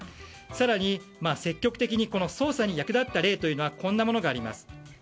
更に、積極的に捜査に役立った例ではこんなものがあります。